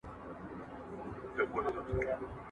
ټولوي مینه عزت او دولتونه ..